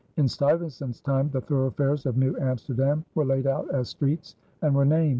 In Stuyvesant's time the thoroughfares of New Amsterdam were laid out as streets and were named.